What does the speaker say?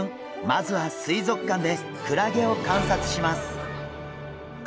まずは水族館でクラゲを観察します。